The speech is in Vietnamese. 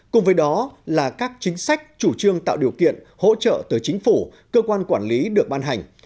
cùng với đó là các chính sách chủ trương tạo điều kiện hỗ trợ tới chính phủ cơ quan quản lý được ban hành